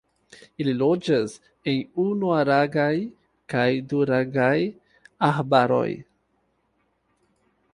Ili loĝas en unuarangaj kaj duarangaj arbaroj.